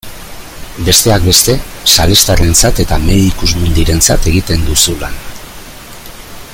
Besteak beste salestarrentzat eta Medicus Mundirentzat egiten duzu lan.